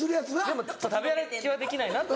でも食べ歩きはできないなと。